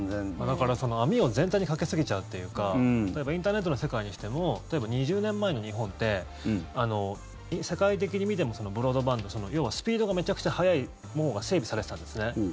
だから、網を全体にかけすぎちゃうっていうかインターネットの世界にしても例えば、２０年前の日本って世界的に見てもブロードバンド要は、スピードがめちゃくちゃ速いものが整備されていたんですね。